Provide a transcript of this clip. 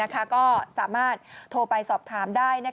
ก็สามารถโทรไปสอบถามได้